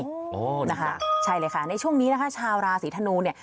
โอ้จริงหรอใช่เลยค่ะในช่วงนี้ชาวราศรีธนูเนี่ย